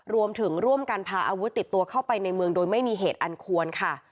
รวมถึงร่วมกันพาอาวุธติดตัวเข้าไปในเมืองโดยไม่มีเหตุอันควรค่ะ